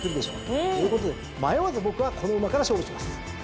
ということで迷わず僕はこの馬から勝負します。